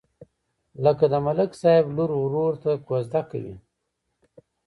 لکه د ملک صاحب لور ورور ته کوزده کوي.